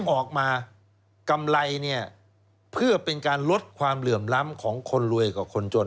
ออกมากำไรเนี่ยเพื่อเป็นการลดความเหลื่อมล้ำของคนรวยกับคนจน